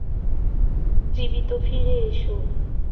জীবিত ফিরে এসো।